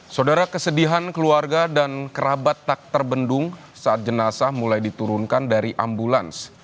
saudara kesedihan keluarga dan kerabat tak terbendung saat jenazah mulai diturunkan dari ambulans